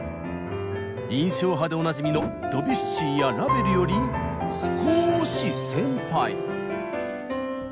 印象派でおなじみのドビュッシーやラヴェルより少し先輩。